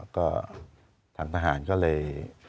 ก็ทางทหารก็เลย